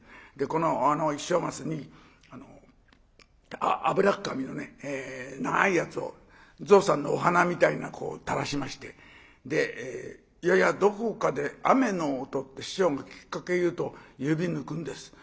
この一升ますに油っ紙の長いやつを象さんのお鼻みたいなこう垂らしまして「ややどこかで雨の音」って師匠がきっかけ言うと指抜くんです。